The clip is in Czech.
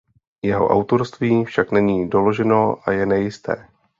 Jeho autorství však není doloženo a je nejisté.